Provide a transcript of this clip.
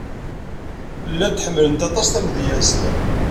Llant ḥemmlent aṭas tamedyazt.